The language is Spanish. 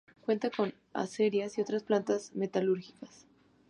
Cuenta con acerías y otras plantas metalúrgicas.